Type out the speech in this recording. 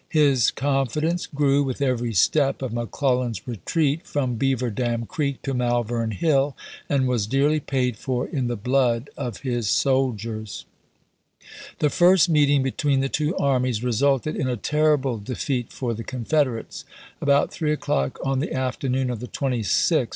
His confi dence gi'ew with every step of McCIellan's retreat from Beaver Dam Creek to Malvern Hill, and was dearly paid for in the blood of his soldiers. The first meeting between the two armies re suited in a terrible defeat for the Confederates. About three o'clock on the afternoon of the 26th, June, isea.